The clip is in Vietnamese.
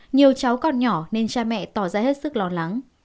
nhiều cháu còn nhỏ nên cha mẹ tỏ ra hết sức lo lắng